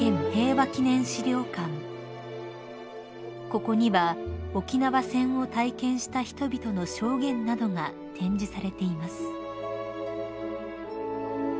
［ここには沖縄戦を体験した人々の証言などが展示されています］